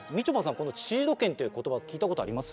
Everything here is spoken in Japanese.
このシード権って言葉聞いたことあります？